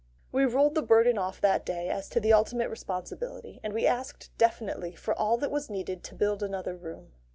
We rolled the burden off that day as to the ultimate responsibility, and we asked definitely for all that was needed to build another room.